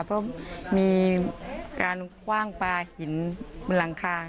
เพราะมีการคว่างปลาหินบนหลังคา